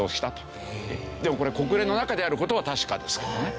でもこれ国連の中である事は確かですけどね。